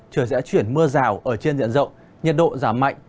trời sẽ chuyển mưa rào ở trên diện rộng nhiệt độ giảm mạnh